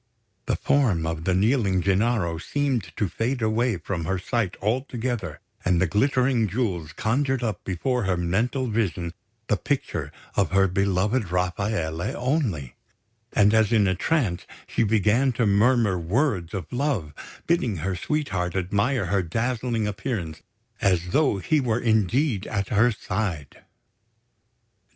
The form of the kneeling Gennaro seemed to fade away from her sight altogether, and the glittering jewels conjured up before her mental vision the picture of her beloved Rafaele only; and, as in a trance, she began to murmur words of love, bidding her sweetheart admire her dazzling appearance, as though he were indeed at her side.